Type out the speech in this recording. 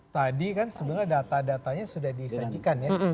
tadi kan sebenarnya data datanya sudah disajikan ya